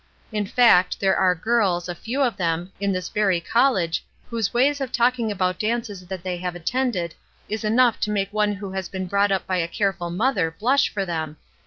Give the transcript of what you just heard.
In fact there are girls, a few of them, in this very college whose ways of talking about dances that they have attended is enough to make one who has been brought up by a careful mother blush for them.